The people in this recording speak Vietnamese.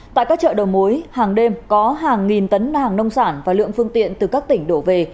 tại các chợ đầu mối hàng đêm có hàng nghìn tấn hàng nông sản và lượng phương tiện từ các tỉnh đổ về